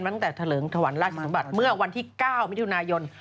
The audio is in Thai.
ตั้งแต่เถลิงถวันราชสมบัติเมื่อวันที่๙มิถุนายน